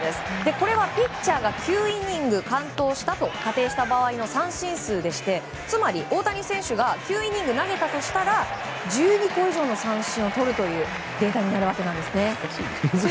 これはピッチャーが９イニング完投したと仮定した場合の三振数でしてつまり大谷選手が９イニング投げたとしたら１２個以上の三振をとるというデータなんです。